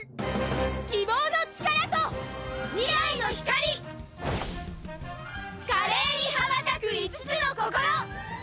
「希望の力と」「未来の光」「華麗に羽ばたく５つの心」